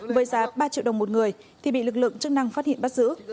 với giá ba triệu đồng một người thì bị lực lượng chức năng phát hiện bắt giữ